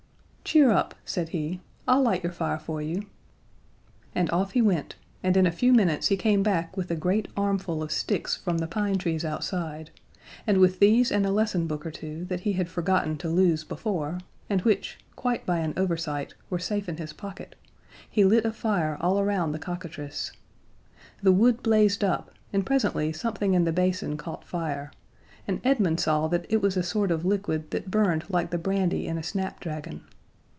"Cheer up," said he. "I'll light your fire for you." And off he went, and in a few minutes he came back with a great armful of sticks from the pine trees outside, and with these and a lesson book or two that he had forgotten to lose before, and which, quite by an oversight, were safe in his pocket, he lit a fire all around the cockatrice. The wood blazed up, and presently something in the basin caught fire, and Edmund saw that it was a sort of liquid that burned like the brandy in a snapdragon.